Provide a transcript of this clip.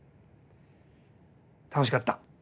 楽しかった。